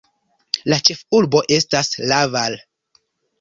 La ĉefurbo estas Laval.